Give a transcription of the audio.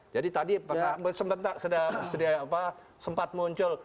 jadi tadi sempat muncul